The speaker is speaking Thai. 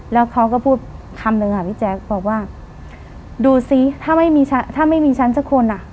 แล้วเขาก็พูดคำหนึ่งอ่ะพี่แจ๊คบอกว่าดูซิถ้าไม่มีถ้าไม่มีฉันสักคนอ่ะ